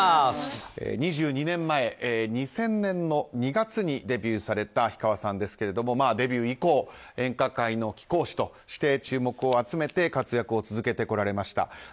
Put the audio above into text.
２２年前、２０００年の２月にデビューされた氷川さんですがデビュー以降演歌界の貴公子として注目を集めて活躍を続けてこられました。